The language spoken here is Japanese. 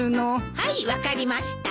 はい分かりました。